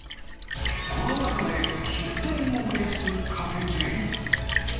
コロナ禍で、出店を増やすカフェチェーン。